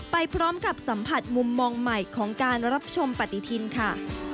ไปพร้อมกับสัมผัสมุมมองใหม่ของการรับชมปฏิทินค่ะ